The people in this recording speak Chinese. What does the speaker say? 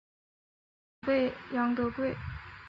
祖父杨德贵。